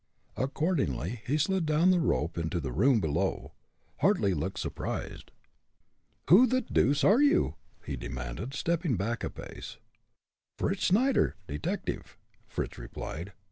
Accordingly he slid down the rope into the room below. Hartly looked surprised. "Who the deuce are you?" he demanded, stepping back a pace. "Fritz Snyder, detective," Fritz replied.